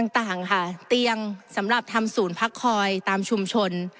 ต่างค่ะเตียงสำหรับทำศูนย์พักคอยตามชุมชน